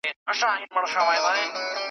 چي مي غزلي ورته لیکلې .